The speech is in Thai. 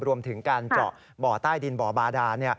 รวมถึงการเจาะบ่อใต้ดินบ่อบาดาน